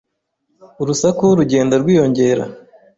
Urusaku rugenda rwiyongera.